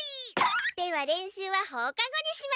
では練習は放課後にしましょう。